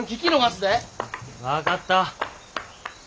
分かった。